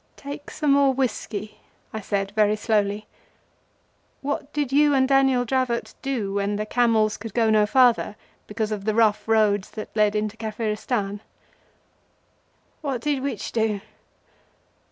"Take some more whiskey," I said, very slowly. "What did you and Daniel Dravot do when the camels could go no further because of the rough roads that led into Kafiristan?" "What did which do?